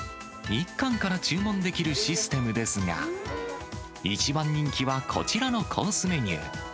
１貫から注文できるシステムですが、一番人気はこちらのコースメニュー。